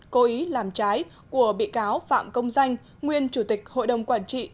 cố ý làm trái của bị cáo phạm công danh nguyên chủ tịch hội đồng quản trị